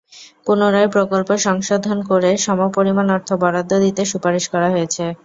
পুনরায় প্রকল্প সংশোধন করে সমপরিমাণ অর্থ বরাদ্দ দিতে সুপারিশ করা হয়েছে।